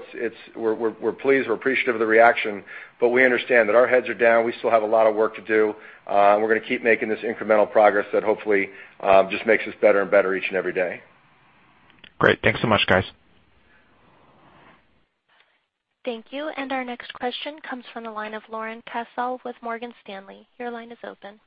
we're pleased, we're appreciative of the reaction, but we understand that our heads are down. We still have a lot of work to do. We're going to keep making this incremental progress that hopefully just makes us better and better each and every day. Great. Thanks so much, guys. Thank you. Our next question comes from the line of Laurent Vasilescu with Morgan Stanley. Your line is open.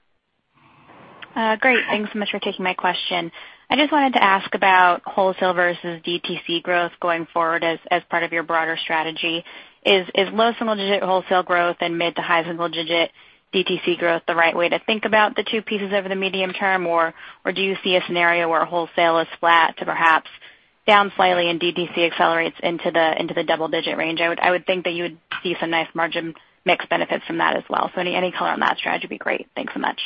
Great. Thanks so much for taking my question. I just wanted to ask about wholesale versus DTC growth going forward as part of your broader strategy. Is low single digit wholesale growth and mid to high single digit DTC growth the right way to think about the two pieces over the medium term? Or do you see a scenario where wholesale is flat to perhaps down slightly and DTC accelerates into the double-digit range? I would think that you would see some nice margin mix benefits from that as well. Any color on that strategy would be great. Thanks so much.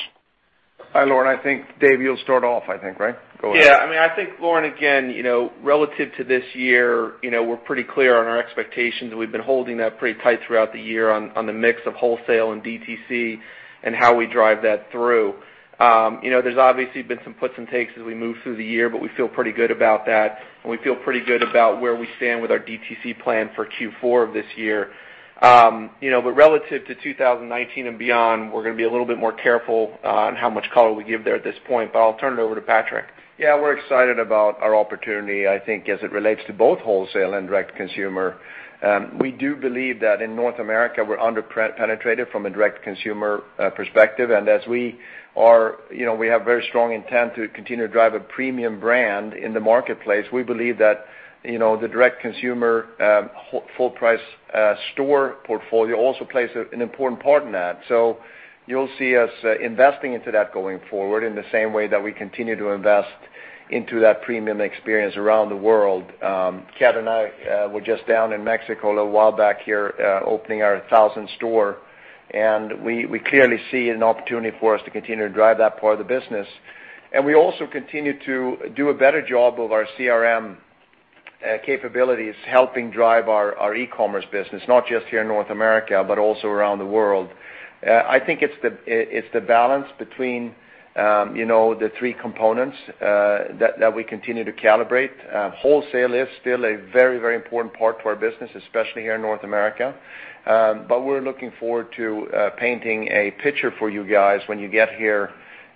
Hi, Laurent. I think, Dave, you'll start off, right? Go ahead. I think, Laurent, again, relative to this year, we're pretty clear on our expectations. We've been holding that pretty tight throughout the year on the mix of wholesale and DTC and how we drive that through. There's obviously been some puts and takes as we move through the year, but we feel pretty good about that, and we feel pretty good about where we stand with our DTC plan for Q4 of this year. Relative to 2019 and beyond, we're going to be a little bit more careful on how much color we give there at this point, I'll turn it over to Patrik. Yeah, we're excited about our opportunity, I think, as it relates to both wholesale and direct consumer. We do believe that in North America, we're under-penetrated from a direct consumer perspective. As we have very strong intent to continue to drive a premium brand in the marketplace, we believe that the direct consumer full price store portfolio also plays an important part in that. You'll see us investing into that going forward, in the same way that we continue to invest into that premium experience around the world. Kat and I were just down in Mexico a little while back here, opening our 1,000th store, and we clearly see an opportunity for us to continue to drive that part of the business. We also continue to do a better job of our CRM capabilities, helping drive our e-commerce business, not just here in North America, but also around the world. I think it's the balance between the three components that we continue to calibrate. Wholesale is still a very important part to our business, especially here in North America. We're looking forward to painting a picture for you guys when you get here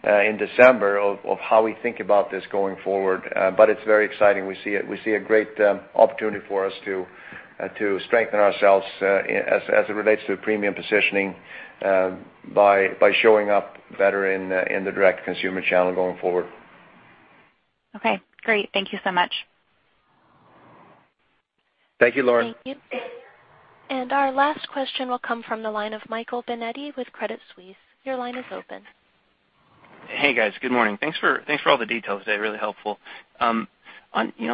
in December of how we think about this going forward. It's very exciting. We see a great opportunity for us to strengthen ourselves as it relates to premium positioning by showing up better in the direct consumer channel going forward. Okay, great. Thank you so much. Thank you, Laurent. Thank you. Our last question will come from the line of Michael Binetti with Credit Suisse. Your line is open. Hey, guys. Good morning. Thanks for all the details today, really helpful. Let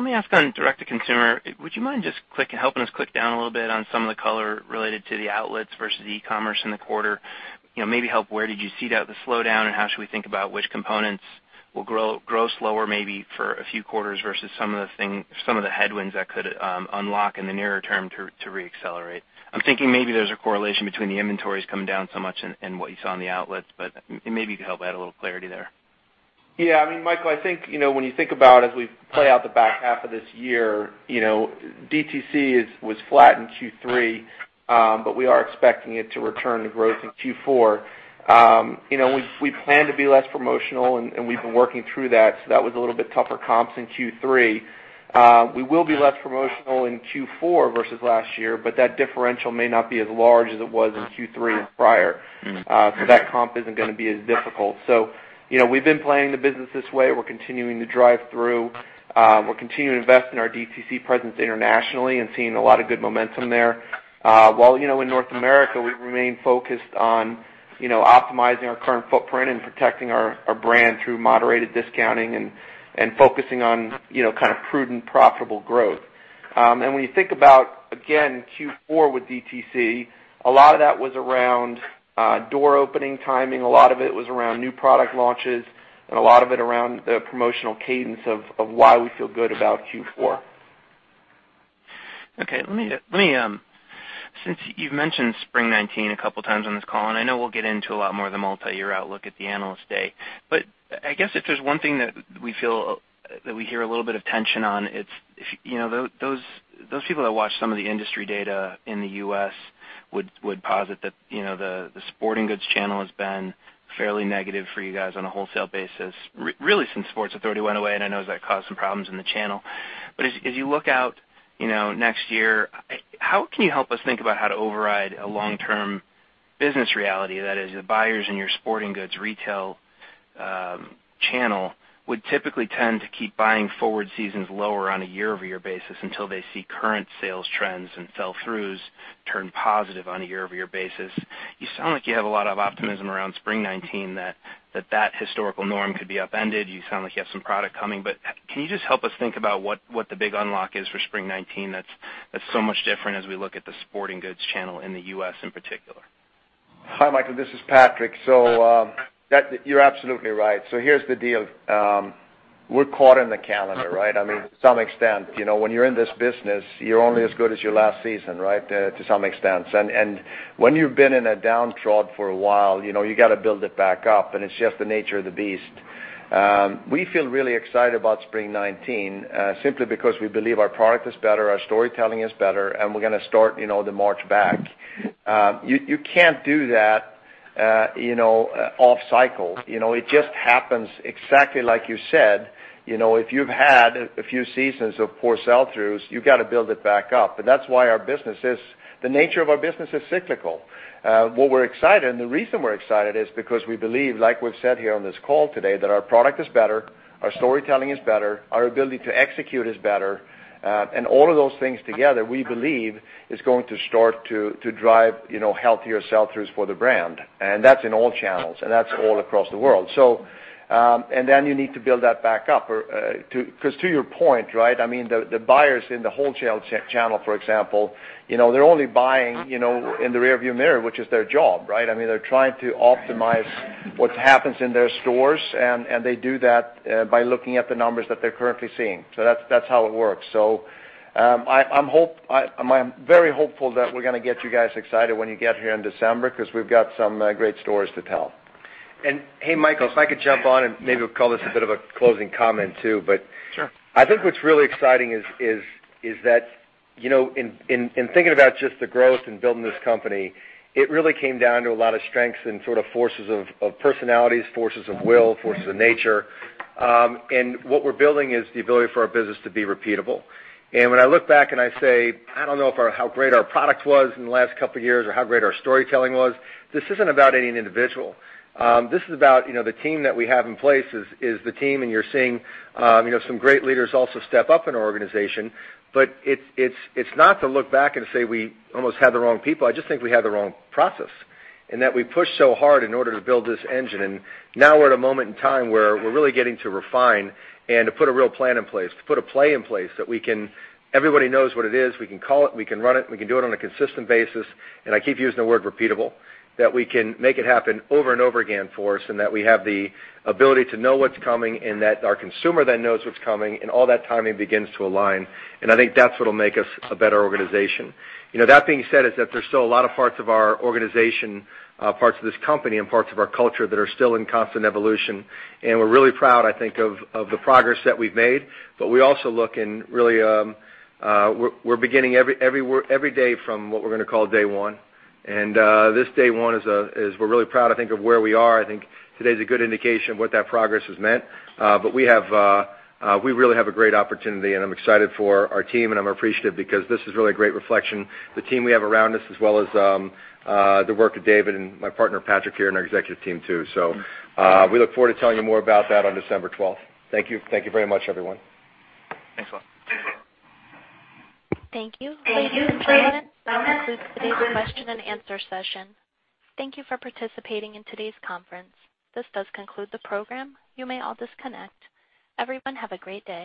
me ask on direct to consumer, would you mind just helping us click down a little bit on some of the color related to the outlets versus e-commerce in the quarter. Maybe help, where did you see the slowdown, and how should we think about which components will grow slower, maybe for a few quarters versus some of the headwinds that could unlock in the nearer term to re-accelerate? I'm thinking maybe there's a correlation between the inventories coming down so much and what you saw on the outlets, but maybe you could help add a little clarity there. Yeah, Michael, I think, when you think about as we play out the back half of this year, DTC was flat in Q3. We are expecting it to return to growth in Q4. We plan to be less promotional, and we've been working through that. That was a little bit tougher comps in Q3. We will be less promotional in Q4 versus last year, but that differential may not be as large as it was in Q3 prior. That comp isn't going to be as difficult. We've been planning the business this way. We're continuing to drive through. We're continuing to invest in our DTC presence internationally and seeing a lot of good momentum there. While in North America, we remain focused on optimizing our current footprint and protecting our brand through moderated discounting and focusing on prudent, profitable growth. When you think about, again, Q4 with DTC, a lot of that was around door opening timing. A lot of it was around new product launches, and a lot of it around the promotional cadence of why we feel good about Q4. Okay. Since you've mentioned Spring '19 a couple of times on this call, and I know we'll get into a lot more of the multi-year outlook at the Analyst Day. I guess if there's one thing that we hear a little bit of tension on, those people that watch some of the industry data in the U.S. would posit that the sporting goods channel has been fairly negative for you guys on a wholesale basis, really since Sports Authority went away, and I know that caused some problems in the channel. As you look out next year, can you help us think about how to override a long-term business reality, that is, the buyers in your sporting goods retail channel would typically tend to keep buying forward seasons lower on a year-over-year basis until they see current sales trends and sell-throughs turn positive on a year-over-year basis. You sound like you have a lot of optimism around Spring '19 that that historical norm could be upended. You sound like you have some product coming. Can you just help us think about what the big unlock is for Spring '19 that's so much different as we look at the sporting goods channel in the U.S. in particular? Hi, Michael. This is Patrik. You're absolutely right. Here's the deal. We're caught in the calendar, right? I mean, to some extent. When you're in this business, you're only as good as your last season, to some extent. When you've been in a downtrodden for a while, you got to build it back up, and it's just the nature of the beast. We feel really excited about Spring 2019 simply because we believe our product is better, our storytelling is better, and we're going to start the march back. You can't do that off cycle. It just happens exactly like you said. If you've had a few seasons of poor sell-throughs, you've got to build it back up. That's why the nature of our business is cyclical. What we're excited, and the reason we're excited is because we believe, like we've said here on this call today, that our product is better, our storytelling is better, our ability to execute is better. All of those things together, we believe, is going to start to drive healthier sell-throughs for the brand, and that's in all channels, and that's all across the world. Then you need to build that back up. Because to your point, the buyers in the wholesale channel, for example, they're only buying in the rearview mirror, which is their job. They're trying to optimize what happens in their stores, and they do that by looking at the numbers that they're currently seeing. That's how it works. I'm very hopeful that we're going to get you guys excited when you get here in December because we've got some great stories to tell. Hey, Michael, if I could jump on and maybe we'll call this a bit of a closing comment, too. Sure. I think what's really exciting is that in thinking about just the growth and building this company, it really came down to a lot of strengths and sort of forces of personalities, forces of will, forces of nature. What we're building is the ability for our business to be repeatable. When I look back and I say, I don't know how great our product was in the last couple of years or how great our storytelling was. This isn't about any individual. This is about the team that we have in place is the team, and you're seeing some great leaders also step up in our organization. It's not to look back and say we almost had the wrong people. I just think we had the wrong process, and that we pushed so hard in order to build this engine. Now we're at a moment in time where we're really getting to refine and to put a real plan in place, to put a play in place that everybody knows what it is. We can call it, we can run it, and we can do it on a consistent basis. I keep using the word repeatable, that we can make it happen over and over again for us, and that we have the ability to know what's coming, and that our consumer then knows what's coming, and all that timing begins to align. I think that's what will make us a better organization. That being said, there's still a lot of parts of our organization, parts of this company, and parts of our culture that are still in constant evolution. We're really proud, I think, of the progress that we've made. We also look and really we're beginning every day from what we're going to call day one. This day one is we're really proud, I think, of where we are. I think today is a good indication of what that progress has meant. We really have a great opportunity, and I'm excited for our team, and I'm appreciative because this is really a great reflection. The team we have around us, as well as the work of David and my partner Patrik here, and our executive team, too. We look forward to telling you more about that on December 12th. Thank you. Thank you very much, everyone. Thanks, all. Thank you. Ladies and gentlemen, that concludes today's question and answer session. Thank you for participating in today's conference. This does conclude the program. You may all disconnect. Everyone, have a great day.